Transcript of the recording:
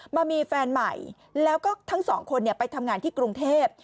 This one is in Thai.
มามีแฟนใหม่แล้วก็ทั้งสองคนไปทำงานที่กรุงเทพ